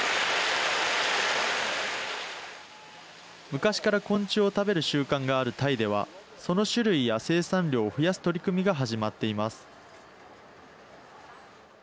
昔から昆虫を食べる習慣があるタイではその種類や生産量を増やす取り組みが始まってます。